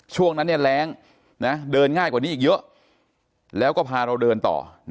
ช่วงนั้นแรงเดินง่ายกว่านี้อีกเยอะแล้วก็พาเราเดินต่อ